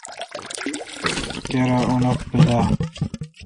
کیرا اوتھ بیل اؘ۔